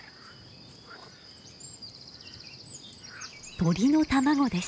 鳥の卵です。